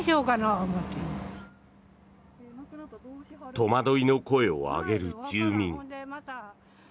戸惑いの声を上げる住民。